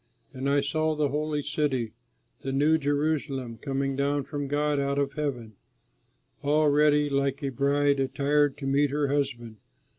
And I saw the Holy City, the New Jerusalem, coming down from God out of heaven, all ready like a bride attired to meet her husband.